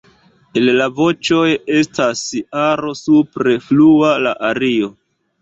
El la voĉoj estas aro supre flua la ario.